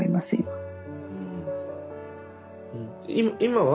今は？